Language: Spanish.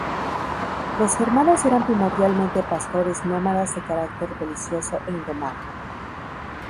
Los germanos eran primordialmente pastores nómadas de carácter belicoso e indomable.